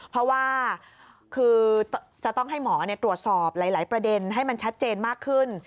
เพราะว่าคือจะต้องให้หมอตรวจสอบหลายประเด็นให้มันชัดเจนมากขึ้น